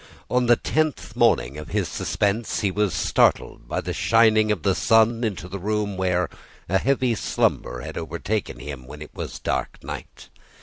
On the tenth morning of his suspense, he was startled by the shining of the sun into the room where a heavy slumber had overtaken him when it was dark night.